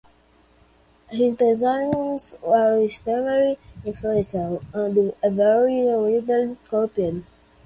His designs were extremely influential, and very widely copied.